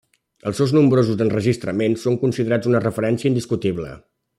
Els seus nombrosos enregistraments són considerats una referència indiscutible.